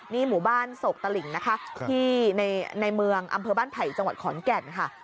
นี่หมู่บ้านโศกตลิ่งนะคะที่ในเมืองอำเภอบ้านไผ่จังหวัดขอนแก่นค่ะ